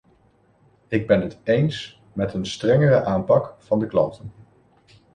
Ik ben het eens met een strengere aanpak van de klanten.